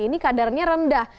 ini kadarnya rendah